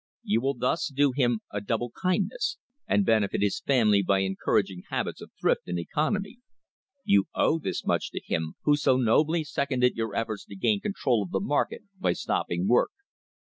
You will thus do him a double kindness, and benefit his family by encouraging habits of thrift and economy. You owe this much to him who so nobly seconded your efforts to gain control of the market by stopping work.